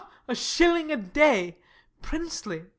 A shilling a day! Princely!